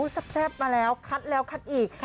แซ่บมาแล้วคัดแล้วคัดอีก